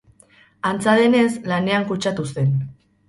Antza denez, lanean kutsatu zen.